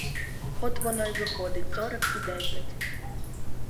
От воно й виходить сорок і дев'ять.